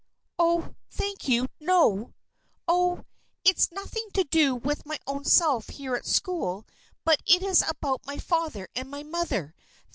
Oh, thank you, no! Oh! it's nothing to do with my own self here at school; but it is about my father and my mother.